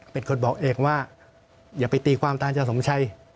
เป็นคนบอกเองว่าอย่าไปตีความต้านจังห์สมบัชชัย